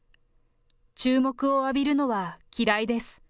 注目を浴びるのは嫌いです。